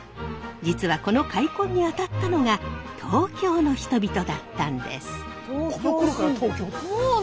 実はこの開墾にあたったのが東京の人々だったんです。